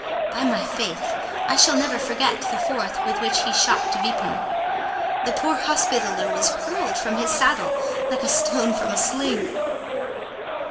By my faith, I shall never forget the force with which he shocked De Vipont. The poor Hospitaller was hurled from his saddle like a stone from a sling."